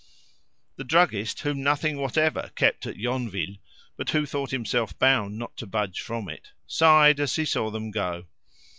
The druggist, whom nothing whatever kept at Yonville, but who thought himself bound not to budge from it, sighed as he saw them go.